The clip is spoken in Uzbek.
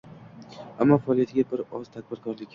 ammo faoliyatiga bir oz tadbirkorlik